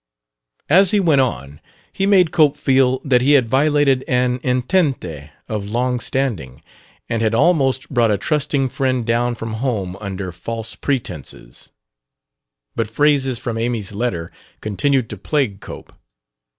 As he went on, he made Cope feel that he had violated an entente of long standing, and had almost brought a trusting friend down from home under false pretenses. But phrases from Amy's letter continued to plague Cope.